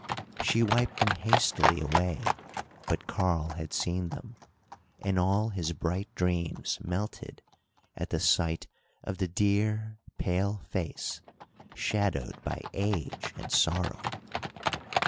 She wiped them hastily away, but Karl had seen them, and all his bright dreams melted at the sight of the dear, pale face, shadowed by age and sorrow.